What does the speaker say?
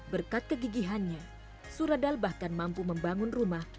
berkat kegigihannya suradal bahkan mampu membangun rumah